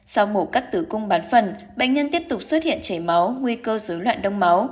sau mổ cắt tử cung bán phần bệnh nhân tiếp tục xuất hiện chảy máu nguy cơ dối loạn đông máu